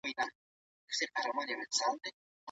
هغوی د اسفزار کلا په ډېره لږه موده کې ونيوله.